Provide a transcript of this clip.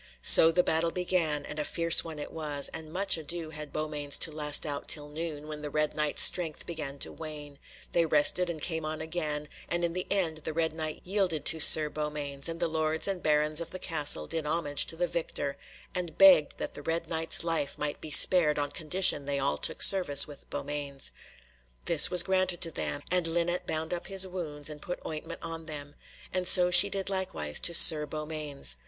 So the battle began, and a fierce one it was, and much ado had Beaumains to last out till noon, when the Red Knight's strength began to wane; they rested, and came on again, and in the end the Red Knight yielded to Sir Beaumains, and the lords and barons in the castle did homage to the victor, and begged that the Red Knight's life might be spared on condition they all took service with Beaumains. This was granted to them, and Linet bound up his wounds and put ointment on them, and so she did likewise to Sir Beaumains.